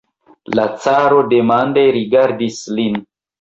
La caro demande rigardis lin.